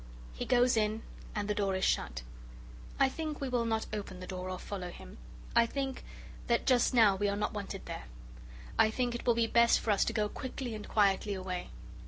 He goes in and the door is shut. I think we will not open the door or follow him. I think that just now we are not wanted there. I think it will be best for us to go quickly and quietly away.